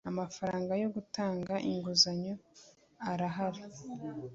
Amafaranga yo gutanga inguzanyo arahari.